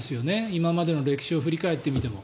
今までの歴史を振り返ってみても。